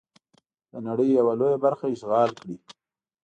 د نړۍ یوه لویه برخه اشغال کړي.